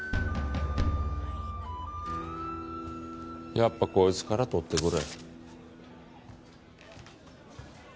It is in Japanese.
やっぱこいつから取ってくれ。